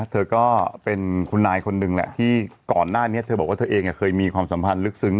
เธอก็เป็นคุณนายคนหนึ่งแหละที่ก่อนหน้านี้เธอบอกว่าเธอเองเคยมีความสัมพันธ์ลึกซึ้ง